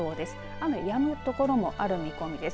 雨やむところもある見込みです。